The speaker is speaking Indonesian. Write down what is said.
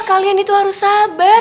kalian itu harus sabar